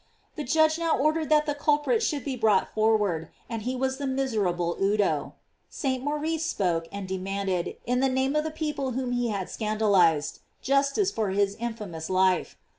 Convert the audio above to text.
The Judge now ordered that the culprit should be brought forward, and he was the miserable Udo. St. Maurice spoke, and demanded, in the name of the people whom he had scandalized, justice for his infamous life.